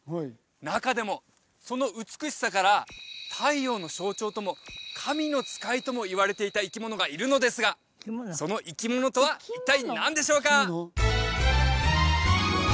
中でもその美しさから太陽の象徴とも神の使いともいわれていた生き物がいるのですがその生き物とは一体何でしょうか？